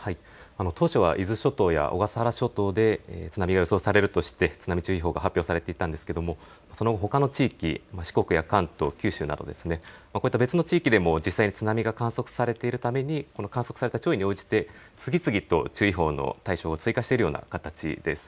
当初は伊豆諸島や小笠原諸島で津波が予想されるとして津波注意報が発表されていたんですが、そのほかの地域、四国や関東、九州など、こういった別の地域でも実際に津波が観測されているために観測された潮位に応じて次々と注意報の対象を追加しているような形です。